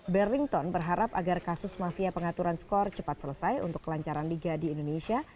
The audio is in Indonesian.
berlington berharap agar kasus mafia pengaturan skor cepat selesai untuk kelancaran liga di indonesia